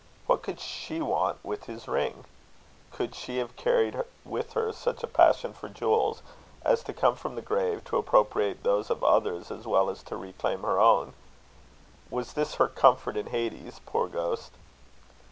What could she want with his ring? Could she have carried with her such a passion for jewels, as to come from the grave to appropriate those of others as well as to reclaim her own? Was this her comfort in Hades, 'poor ghost'?